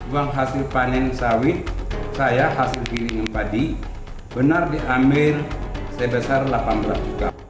uang hasil panen sawit saya hasil gilingan padi benar diambil sebesar delapan belas juta